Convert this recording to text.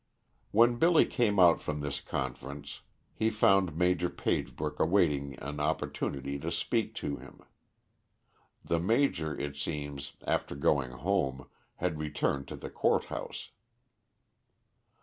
When Billy came out from this conference he found Major Pagebrook awaiting an opportunity to speak to him. The major, it seems, after going home had returned to the Court House.